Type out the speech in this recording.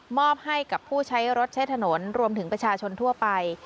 อบให้กับผู้ใช้รถใช้ถนนรวมถึงประชาชนทั่วไป